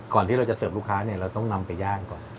ก่อนที่เราจะเสิร์ฟลูกค้าเราต้องนำไปย่างก่อน